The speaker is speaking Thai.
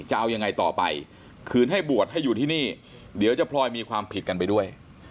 จะเอายังไงต่อไปคืนให้บวชให้อยู่ที่นี่เดี๋ยวจะพลอยมีความผิดกันไปด้วย